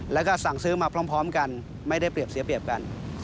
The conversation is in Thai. แล้วก็สั่งซื้อมาพร้อมกันไม่ได้เปรียบเสียเปรียบกัน